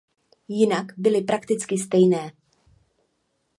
Jinak byly prakticky stejné.